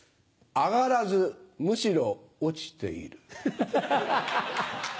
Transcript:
上がらずむしろ落ちている。